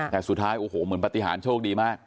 แต่สุดท้ายโอ้โหเหมือนปฏิหารโชคดีมาก